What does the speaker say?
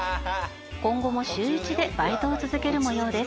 今後も週１でバイトを続ける模様です。